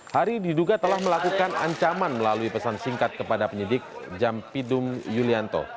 hari diduga telah melakukan ancaman melalui pesan singkat kepada penyidik jampidum yulianto